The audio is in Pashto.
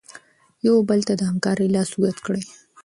یو بل ته د همکارۍ لاس اوږد کړئ.